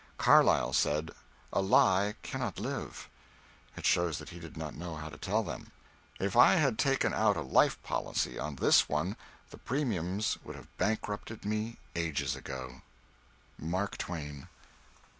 Carlyle said "a lie cannot live." It shows that he did not know how to tell them. If I had taken out a life policy on this one the premiums would have bankrupted me ages ago. MARK TWAIN.